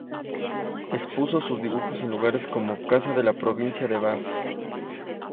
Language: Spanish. Expuso sus dibujos en lugares como: Casa de la Provincia de Bs.